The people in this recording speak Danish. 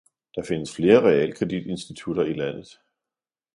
Der findes flere realkreditinstitutter i landet.